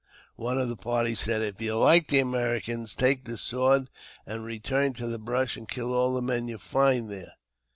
One of our party said, " If you like the Americans, take this sword, and return to the brush, and kill all the men you find there."